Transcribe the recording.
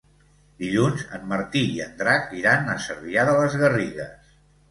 Dilluns en Martí i en Drac iran a Cervià de les Garrigues.